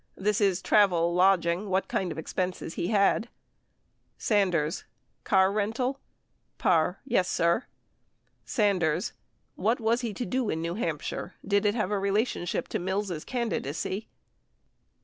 ... This is travel, lodging, what kind of expenses he had. ^Sanders. Car rental? Parr. Yes, sir. Sanders. What was he to do in New Hampshire ?... Did it have relationship to Mills' candidacy